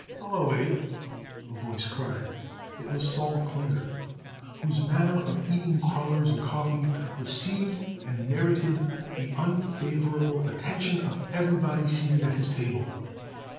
"Hallo, Abe!" a voice cried. It was Sol Klinger, whose manner of eating crullers and coffee received and merited the unfavorable attention of everybody seated at his table.